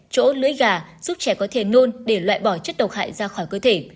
chỗ lưỡi gà giúp trẻ có thể nôn để loại bỏ chất độc hại ra khỏi cơ thể